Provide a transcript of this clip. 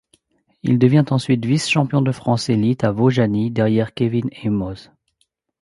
Il devient ensuite vice-champion de France élite à Vaujany derrière Kevin Aymoz.